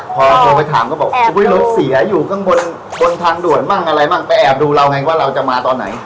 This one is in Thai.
พอโทรไปถามก็บอกรถเสียอยู่ข้างบนบนทางด่วนบ้างอะไรบ้างไปแอบดูเราไงว่าเราจะมาตอนไหน